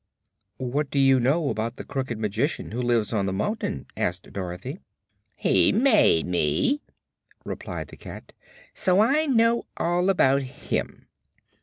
"What do you know about the Crooked Magician who lives on the mountain?" asked Dorothy. "He made me," replied the cat; "so I know all about him.